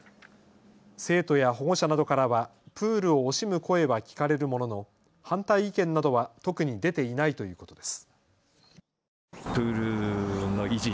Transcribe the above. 生徒や保護者などからはプールを惜しむ声は聞かれるものの反対意見などは特に出ていないということです。